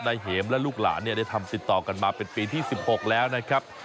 เห็มและลูกหลานเนี่ยได้ทำติดต่อกันมาเป็นปีที่๑๖แล้วนะครับ